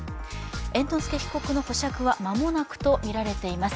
猿之助被告の保釈はまもなくとみられています。